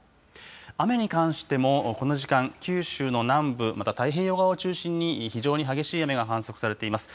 雨に関してもこの時間、九州の南部、また太平洋側を中心に非常に激しい雨が観測されています。